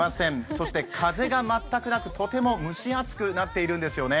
そして風が全くなく、とても蒸し暑くなっているんですよね。